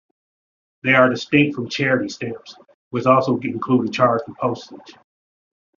They are distinct from charity stamps which also include a charge for postage.